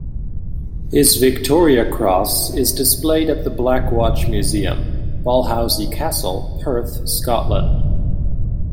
His Victoria Cross is displayed at the Black Watch Museum, Balhousie Castle, Perth, Scotland.